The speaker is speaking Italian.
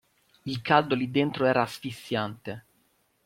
Il caldo lì dentro era asfissiante.